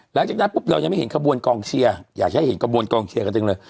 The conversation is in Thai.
หลังจากนั้นปุ๊บเรายังไม่เห็นขบวนกองเชียร์อยากให้เห็นกระบวนกองเชียร์กันจังเลย